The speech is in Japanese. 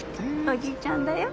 おじちゃんだよ。